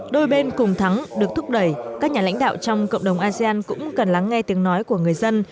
đôi bên cùng thắng được thúc đẩy các nhà lãnh đạo trong cộng đồng asean cũng cần lắng nghe tiếng nói của người dân